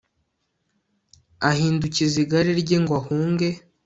ahindukiza igare rye ngo ahunge